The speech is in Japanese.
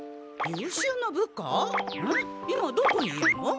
んっ今どこにいるの？